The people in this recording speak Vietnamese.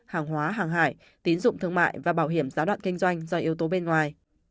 hàng hóa hàng hải tín dụng thương mại và bảo hiểm giá đoạn kinh doanh do yếu tố bên ngoài